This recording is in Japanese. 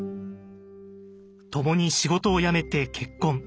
共に仕事を辞めて結婚。